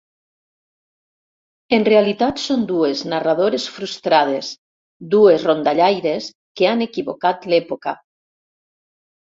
En realitat són dues narradores frustrades, dues rondallaires que han equivocat l'època.